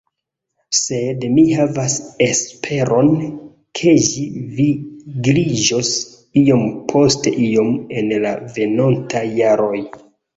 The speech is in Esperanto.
Sed mi havas esperon, ke ĝi vigliĝos iom post iom en la venontaj jaroj.